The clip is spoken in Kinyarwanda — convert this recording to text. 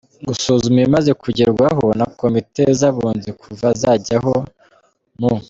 gusuzuma ibimaze kugerwaho na komite z‟Abunzi kuva zajyaho mu